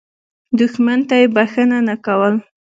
دښمن ته یې بخښنه نه کول.